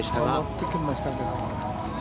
乗ってきましたけど。